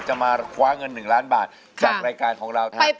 มาคว้าเงิน๑ล้านบาทจากรายการของเราแทน